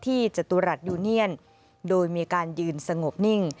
จตุรัสยูเนียนโดยมีการยืนสงบนิ่ง